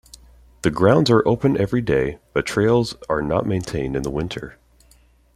The grounds are open every day, but trails are not maintained in the winter.